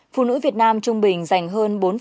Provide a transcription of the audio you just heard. phụ nữ việt nam trung bình dành hơn